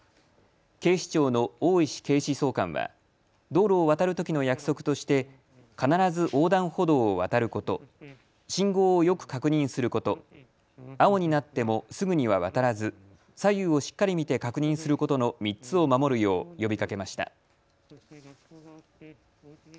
警視庁の大石警視総監は道路を渡るときの約束として必ず横断歩道を渡ること、信号をよく確認すること、青になってもすぐには渡らず左右をしっかり見て確認することの３つを守るよう呼びかけました。